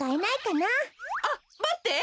あっまって！